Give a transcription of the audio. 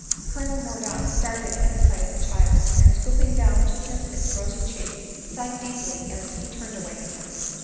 Colonel Mordaunt started at sight of the child, and, stooping down to kiss its rosy cheek, sighed deeply as he turned away again.